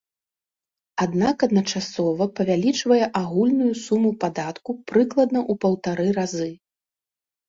Аднак адначасова павялічвае агульную суму падатку прыкладна ў паўтара разы.